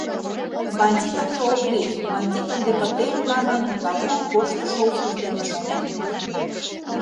Бандит ынде ок лий, бандит ынде пытен», — манын, Пагул корштышо ушыж дене шонен.